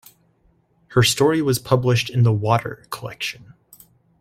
Her story was published in the 'Water' collection.